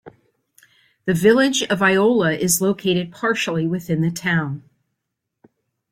The Village of Iola is located partially within the town.